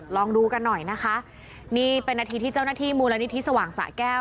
ลองดูกันหน่อยนะคะนี่เป็นนาทีที่เจ้าหน้าที่มูลนิธิสว่างสะแก้ว